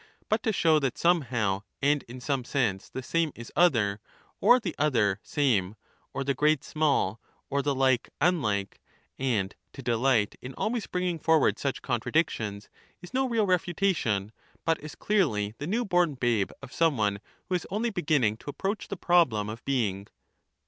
But to show that somehow and in Sophist, some sense the same is other, or the other same, or the great stranger, small, or the like unlike ; and to delight in always bringing theabtetus, forward such contradictions, is no real refutation, but is clearly the new bom babe of some one who is only beginning to approach the problem of being.